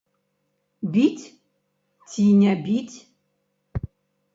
Біць ці не біць?